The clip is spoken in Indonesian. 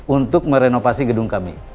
untuk merenovasi gedung kami